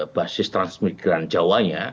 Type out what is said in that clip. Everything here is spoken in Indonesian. basis transmigran jawa nya